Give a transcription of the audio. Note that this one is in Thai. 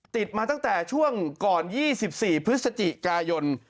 ติดมาตั้งแต่ช่วงก่อน๒๔พฤศจิกายน